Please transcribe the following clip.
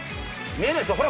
見えるでしょほら